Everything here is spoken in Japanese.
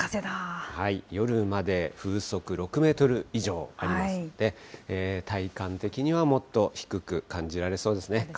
夜まで風速６メートル以上ありますので、体感的にはもっと低く感じられそうですね。